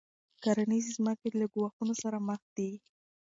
کرنیزې ځمکې له ګواښونو سره مخ دي.